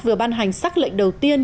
vừa ban hành xác lệnh đầu tiên